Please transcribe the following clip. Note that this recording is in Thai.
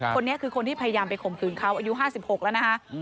คนนี้คือคนที่พยายามไปข่มขืนเขาอายุ๕๖แล้วนะคะ